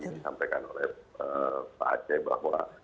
disampaikan oleh pak aceh bahwa